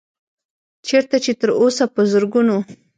چرته چې تر اوسه پۀ زرګونو